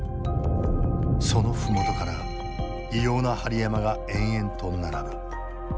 その麓から異様な針山が延々と並ぶ。